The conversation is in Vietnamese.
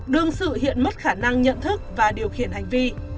đương sự hiện mất khả năng nhận thức và điều khiển hành vi